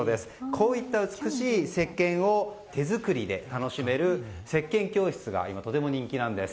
こういった美しいせっけんを手作りで楽しめるせっけん教室が今とても人気なんです。